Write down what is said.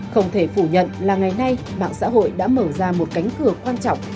không thể phủ nhận là ngày nay mạng xã hội đã mở ra một cánh cửa quan trọng